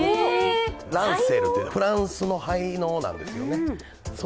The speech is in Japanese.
ランセルっていう、フランスの背のうなんですよね。